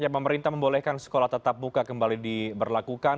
pemerintah membolehkan sekolah tatap muka kembali diberlakukan